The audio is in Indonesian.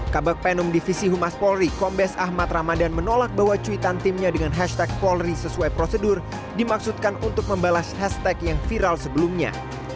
kabak penum divisi humas polri kombes ahmad ramadan menolak bahwa cuitan timnya dengan hashtag polri sesuai prosedur dimaksudkan untuk membalas hashtag yang viral sebelumnya